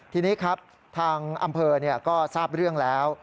ทีนี้ครับทางอำเภอก็ทราบเรื่องแล้ว